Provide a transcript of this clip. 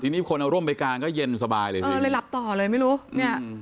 ทีนี้คนเอาร่มไปกางก็เย็นสบายเลยเออเลยหลับต่อเลยไม่รู้เนี่ย